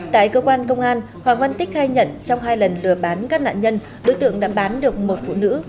tại cơ quan công an hoàng văn tích khai nhận trong hai lần lừa bán các nạn nhân đối tượng đã bán được một phụ nữ